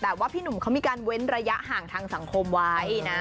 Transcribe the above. แต่ว่าพี่หนุ่มเขามีการเว้นระยะห่างทางสังคมไว้นะ